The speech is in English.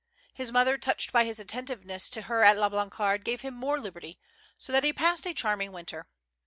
His mother, touched by his attentiveness to her at La Blancarde, gave him more liberty, so that he passed a charming winter.